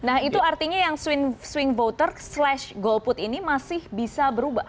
nah itu artinya yang swing voter slash golput ini masih bisa berubah